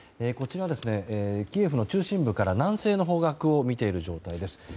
こちら、キエフの中心部から南西の方角を見ている状態です。